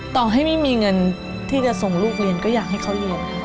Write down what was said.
ต่อให้ไม่มีเงินที่จะส่งลูกเรียนก็อยากให้เขาเรียน